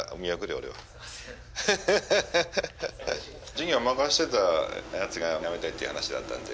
事業任せてたやつがやめたいっていう話だったんで。